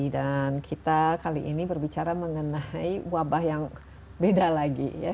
dan kita kali ini berbicara mengenai wabah yang beda lagi ya